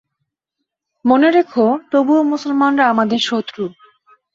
মনে রেখ, তবুও মুসলমানরা আমাদের শত্রু।